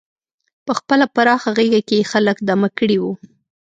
په خپله پراخه غېږه کې یې خلک دمه کړي وو.